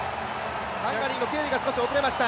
ハンガリーのケリーが少し遅れました。